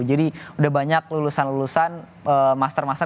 jadi udah banyak lulusan lulusan master master